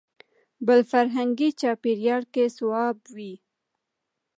بل فرهنګي چاپېریال کې صواب وي.